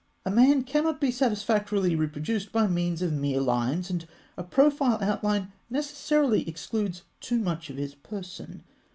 A man cannot be satisfactorily reproduced by means of mere lines, and a profile outline necessarily excludes too much of his person.